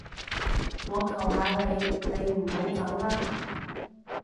我求下你，你唔好走啦